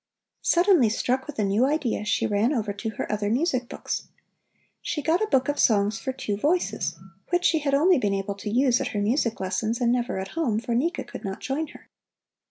Suddenly struck with a new idea, she ran over to her other music books. She got a book of songs for two voices, which she had only been able to use at her music lessons and never at home, for Nika could not join her.